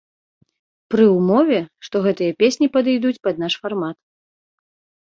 Пры ўмове, што гэтыя песні падыйдуць пад наш фармат.